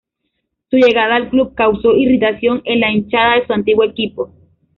Su llegada al club causó irritación en la hinchada de su antiguo equipo.